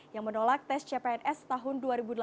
yang menolak tes cpns tahun dua ribu delapan belas